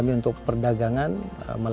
kita jalan dulu